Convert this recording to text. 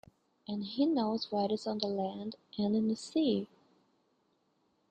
And He knows what is on the land and in the sea.